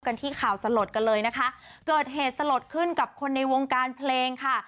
ที่ข่าวสลดกันเลยนะคะเกิดเหตุสลดขึ้นกับคนในวงการเพลงค่ะ